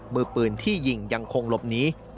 มือปืนที่ยิงยังคงหลบหนี